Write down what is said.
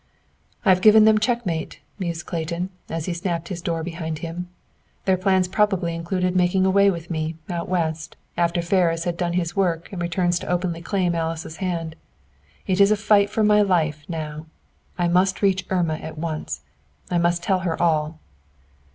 "I have given them checkmate," mused Clayton, as he snapped his door behind him. "Their plans probably included making away with me, out West, after Ferris has done his work and returns to openly claim Alice's hand. It is a fight for my life now. I must reach Irma at once. I must tell her all."